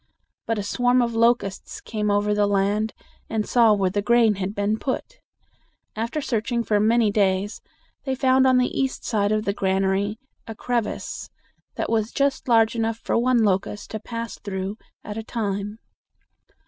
But a swarm of locusts came over the land and saw where the grain had been put. After search ing for many days they found on the east side of the gran a ry a crev ice that was just large enough for one locust to pass through at a time.